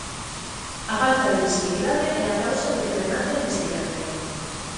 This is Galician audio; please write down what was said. A falta de visibilidade é a causa a falta de que remate a investigación.